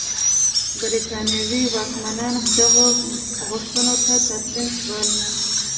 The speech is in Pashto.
برېټانوي واکمنان دغو غوښتنو ته تسلیم شول.